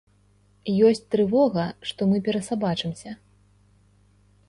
Ёсць трывога, што мы перасабачымся.